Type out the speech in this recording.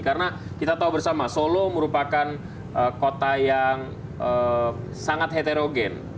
karena kita tahu bersama solo merupakan kota yang sangat heterogen